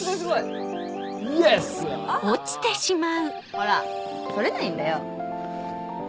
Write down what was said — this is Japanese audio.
ほら取れないんだよ。